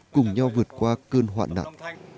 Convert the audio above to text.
cùng nhau vượt qua cơn hoạn nạn